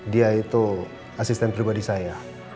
dia itu asisten pribadi saya